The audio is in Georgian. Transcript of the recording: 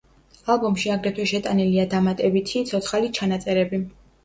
ალბომში აგრეთვე შეტანილია დამატებითი, ცოცხალი ჩანაწერები.